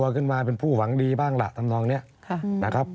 คุณไม่รู้จริงคุณไม่ต้องพูดนะครับ